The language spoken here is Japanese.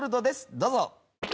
どうぞ。